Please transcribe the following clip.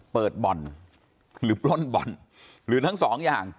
เปิดบ่อนหรือปล้นบ่อนหรือทั้งสองอย่าง